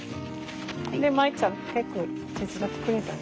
でマエちゃん結構手伝ってくれたよね。